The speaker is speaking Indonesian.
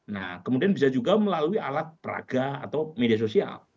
nah kemudian bisa juga melalui alat peraga atau media sosial